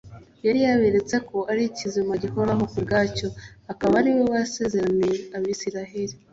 Yari aberetse ko ari ikizima gihoraho ku bwacyo, akaba ari we wasezeraniwe Abisiraeli,